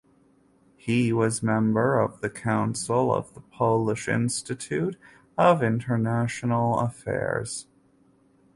He was member of the Council of the Polish Institute of International Affairs.